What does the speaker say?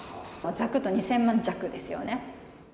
ざくっと２０００万弱ですよね。